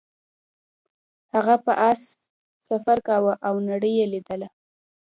هغه په اس سفر کاوه او نړۍ یې لیدله.